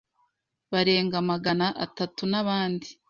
barenga Magana atatu n’abandi